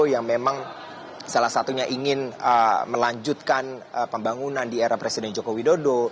yang memang salah satunya ingin melanjutkan pembangunan di era presiden joko widodo